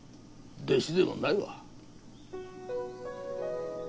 弟子でもないわ。